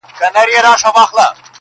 سر ته ځاي دي پر بالښت د زنګون غواړم,